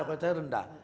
ya kualitasnya rendah